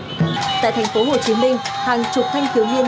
tại thành phố hồ chí minh hàng chục thanh thiếu niên